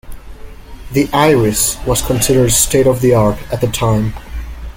The Iris was considered state-of-the-art at the time.